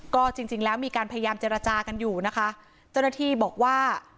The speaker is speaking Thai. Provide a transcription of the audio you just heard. ก็จริงจริงแล้วมีการพยายามเจรจากันอยู่นะคะเจ้าหน้าที่บอกว่า